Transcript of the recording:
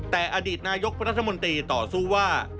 แต่อดีตนายกรัฐมนตรีต่อสู้ว่า